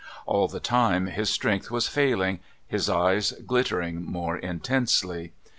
All the time his strength was faihng, his eyes glittering more intensely.